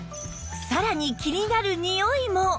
さらに気になるにおいも